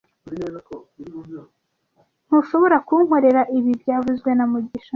Ntushobora kunkorera ibi byavuzwe na mugisha